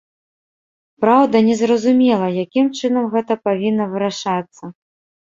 Праўда, незразумела, якім чынам гэта павінна вырашацца.